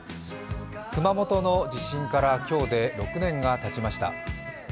熊本の地震から今日で６年がたちました。